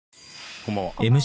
こんばんは。